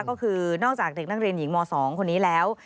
ก็คือนอกจากเด็กนักเรียนหญิงม๒คนนี้แล้ว